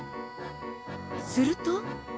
すると。